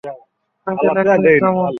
Uncle, এক minute থামুন।